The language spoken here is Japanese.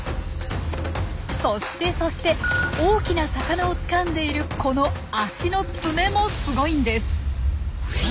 そしてそして大きな魚をつかんでいるこの足の爪もすごいんです！